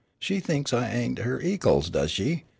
She thinks I ain't her ekals, does she?